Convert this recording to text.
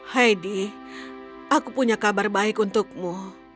heidi aku punya kabar baik untukmu